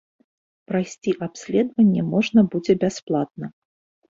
Прайсці абследаванне можна будзе бясплатна.